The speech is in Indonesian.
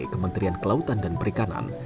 kementerian kelautan dan perikanan